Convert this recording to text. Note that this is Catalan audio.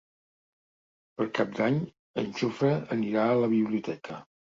Per Cap d'Any en Jofre anirà a la biblioteca.